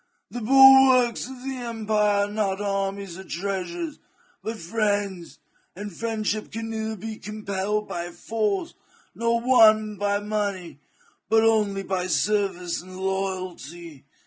The bulwarks of empire are not armies or treasures, but friends, and friendship can neither be compelled by force nor won by money, but only by service and loyalty.